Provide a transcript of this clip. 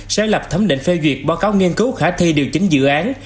sẽ lập thấm định phê duyệt báo cáo nghiên cứu khả thi điều chính dự án